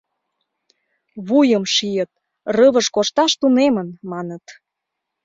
— Вуйым шийыт: рывыж кошташ тунемын, маныт.